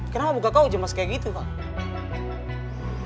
kenapa buka kau jam jam kayak gitu pak